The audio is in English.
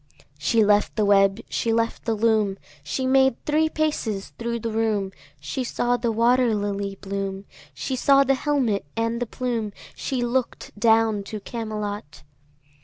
She left the web, she left the loom, She made three paces thro' the room, She saw the water lily bloom, She saw the helmet and the plume, She look'd down to Camelot.